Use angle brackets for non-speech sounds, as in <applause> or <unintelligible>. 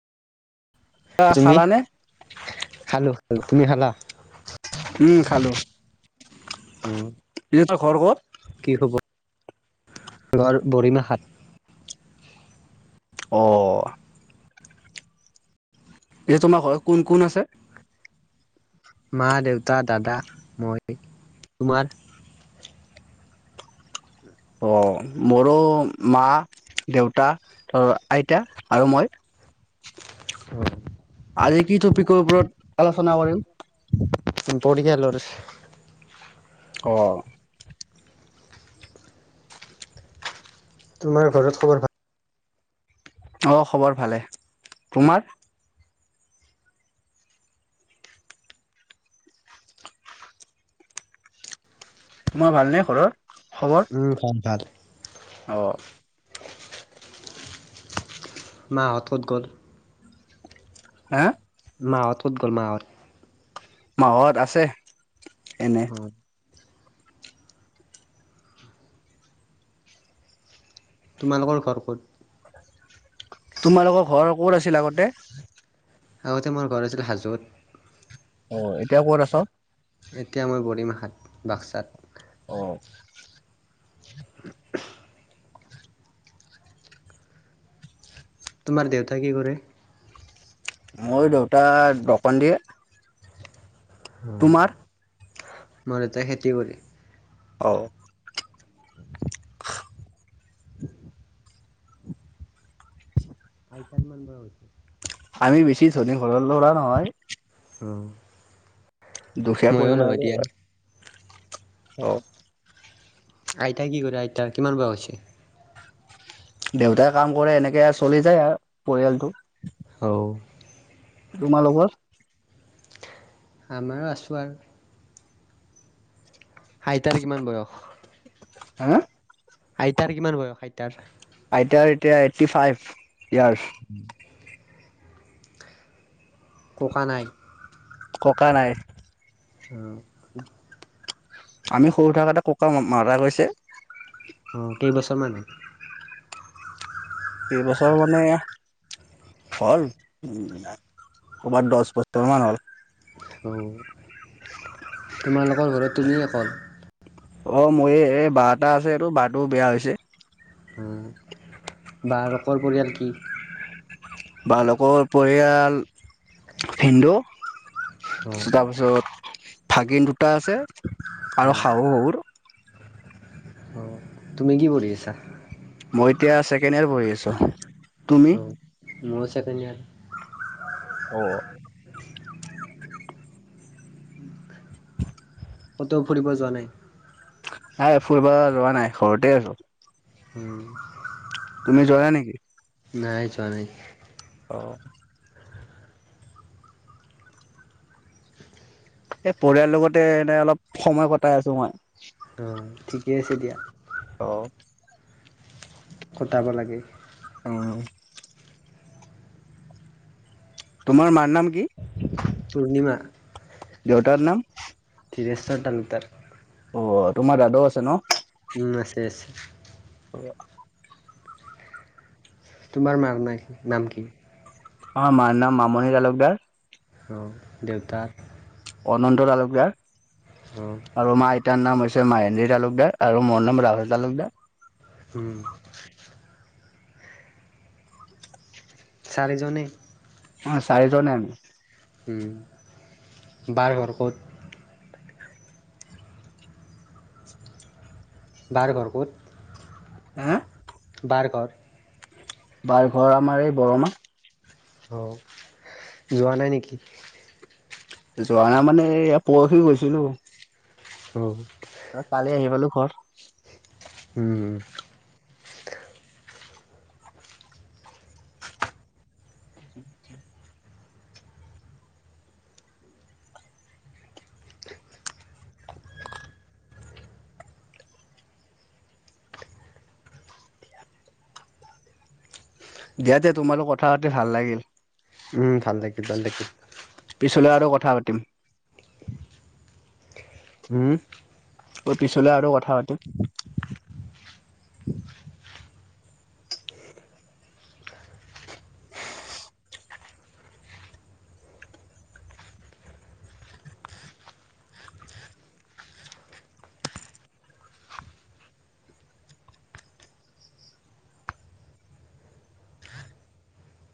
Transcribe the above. কিবা তুমি খালানে? খালো খালো তুমি খালা ওম খালোঁ উম পিছে তাৰ ঘৰ ক'ত? কি খবৰ, ঘৰ বৰিমা হাত অ। ইয়ে তোমাৰ ঘৰত কোন কোন আছে? মা, দেউতা, দাদা, মই তোমাৰ। অ মোৰো মা, দেউতা, আইতা আৰু মই। অ। আজি কি টপিকৰ ওপৰত আলোচনা কৰিম? ইম্পৰটিকেল লডছ অ। তোমাৰ ঘৰত খবৰ ভা- অ খবৰ ভালে। তোমাৰ? মই ভালনে ঘৰৰ খবৰ? উম খাম ভাত। অ। মাঁহত ক'ত গ'ল? হা? মাঁহত ক'ত গ'ল মাঁহত? মাঁহত আছে এনে। হয়। তোমালোকৰ ঘৰ ক'ত? তোমালোকৰ ঘৰ ক'ত আছিল আগতে? আগতে মোৰ ঘৰ আছিল হাজোত। অ এতিয়া ক'ত আছ? এতিয়া মই বৰিমাখাত বাক্সাত। অ। <unintelligible> তোমাৰ দেউতা কি কৰে? মোৰ দেউতা দকান দিয়ে। তোমাৰ? অহ মোৰ দেতা খেতি কৰি অ। <inaudible> <unintelligible> আমি বেছি ধনী ঘৰৰ ল'ৰা নহয়। অ। দুখীয়া ময়ো পৰিবাৰে নহয় দিয়া এবাৰ। অ। আইতা কি কৰে, আইতা কিমান বয়স হৈছে? দেউতাই কাম কৰে এনেকে আৰ চলি যায় আৰ পৰিয়ালটো। অও। তোমালোকৰ? আমাৰো আছোঁ আৰ। আইতাৰে কিমান বয়স? হা? আইতাৰ কিমান বয়স আইতাৰ? আইতাৰ এতিয়া এইট্টি ফাইভ ইয়াৰাছ। <unintelligible> ককা নাই? ককা নাই। অ। আমি সৰু থাকাতে ককা মাৰা গৈছে। অ কেইবছৰমানত? কেইবছৰমানে হ'ল উ ক'বাত দচ বছৰ মান হ'ল। অঁ তোমালোকৰ ঘৰত তুমি অকল? অ মোৰ এই বা এটা আছে এইটো বাৰটা বেয়া হৈছে। উম বা লোকৰ পৰিয়াল কি? বালোকৰ পৰিয়াল হিন্দু। অ', তাৰ পিছত ভাগিন দুটা আছে আৰু অ', শাহু - শহুৰ। অ' তুমি কি কৰি আছা? মই এতিয়া ছেকেণ্ড ইয়াৰ পঢ়ি আছো, তুমি? মোয়ো চেকেণ্ড ইয়াৰ। অ'। ক'তও ফুৰিব যোৱা নাই? নাই ফুৰিব যোৱা নাই ঘৰতে আছো। হুম। তুমি জয়া নেকি? নাই চোৱা নাই? অ। এ পৰিয়ালৰ লগতে এনে অলপ সময় কটাই আছো মই। অ', ঠিকে আছে দিয়া। অ। কটাব লাগে। উম। তোমাৰ মাৰ নাম কি? পূৰ্ণিমা। দেউতাৰ নাম? ধীৰেশ্বৰ তালুকদাৰ। অ' তোমাৰ দাদাও আছে ন? উম আছে আছে। ও অ। তোমাৰ মাৰ নাই নাম কি? অ' মাৰ নাম মামণি তালকদাৰ। অ দেউতাৰ? অনন্ত তালুকদাৰ। অ'। আৰু আমাৰ আইতাৰ নাম হৈছে মাহেন্দ্ৰী তালুকদাৰ আৰু মোৰ নাম ৰাহুল তালুকদাৰ। উম'। চাৰিজনে? অহ চাৰিজনে আমি। আম, বাৰ ঘৰ ক'ত? বাৰ ঘৰ কত? উম'? বাৰ ঘৰ? বাৰ ঘৰ আমাৰ এই বৰমা। অঁ যোৱা নাই নেকি? যোৱা নাই মানে এ পৰহি গৈছিলো। উম। ত কালি আহি পালো ঘৰ। উম উম'। <unintelligible> দিয়া দে তোমাৰ লগত কথা পাতি ভাল লাগিল। উম' ভাল লাগিল ভাল লাগিল। পিছলৈ আৰু কথা পাতিম। উম' পিছলে আৰু কথা পাতিম।